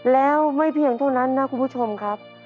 แล้วไม่เพียงเท่านั้นนะคุณผู้ชมครับ